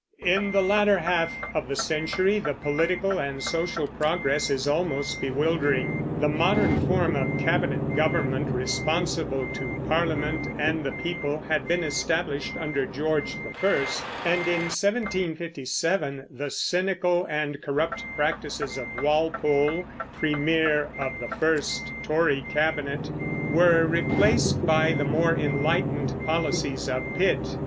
In the latter half of the century the political and social progress is almost bewildering. The modern form of cabinet government responsible to Parliament and the people had been established under George I; and in 1757 the cynical and corrupt practices of Walpole, premier of the first Tory cabinet, were replaced by the more enlightened policies of Pitt.